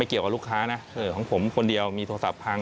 เกี่ยวกับลูกค้านะของผมคนเดียวมีโทรศัพท์พัง